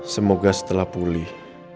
semoga setelah pulih